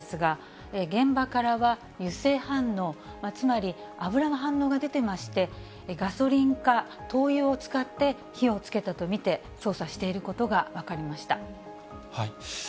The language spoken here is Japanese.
さらに、警察による簡易的な検査なんですが、現場からは油性反応、つまり、油の反応が出ていまして、ガソリンか灯油を使って火をつけたと見て捜査していることが分かりました。